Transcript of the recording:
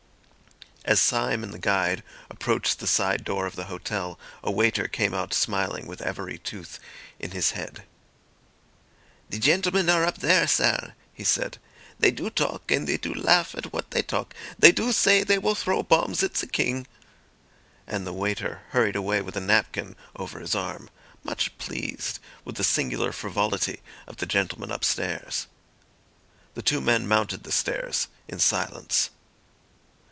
As Syme and the guide approached the side door of the hotel, a waiter came out smiling with every tooth in his head. "The gentlemen are up there, sare," he said. "They do talk and they do laugh at what they talk. They do say they will throw bombs at ze king." And the waiter hurried away with a napkin over his arm, much pleased with the singular frivolity of the gentlemen upstairs. The two men mounted the stairs in silence.